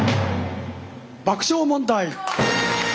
爆笑問題。